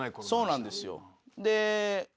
そうなんですよ。